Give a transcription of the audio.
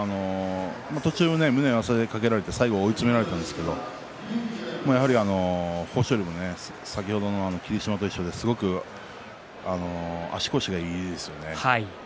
途中、胸を合わせかけられて最後、追い詰められたんですけど豊昇龍は先ほどの霧島と一緒ですごく足腰がいいですよね。